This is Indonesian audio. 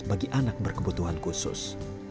bagi anak berkebutuhan khusus